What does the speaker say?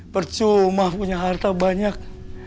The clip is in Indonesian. bercuma punya harta banyak